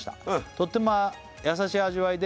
「とっても優しい味わいで」